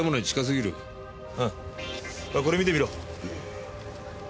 これ見てみろ。